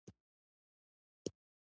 ملګری د خوشحالۍ نښه ده